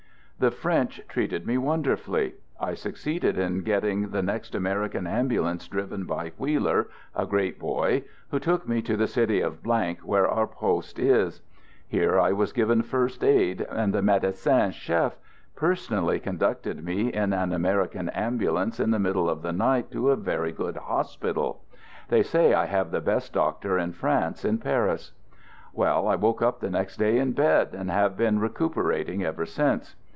The French treated me wonderfully. I suc ceeded in getting the next American Ambulance driven by Wheeler (a great boy) who took me to the city of , where our poste is. Here I was given first aid, and the Medecin Chef personally conducted me in an American Ambulance, in the 154 Digitized by THE GOOD SOLDIER" 15s middle of the night, to a very good hospital. They say I have the best doctor in France, in Paris. Well, I woke up the next day in bed, and have been recuperating ever since.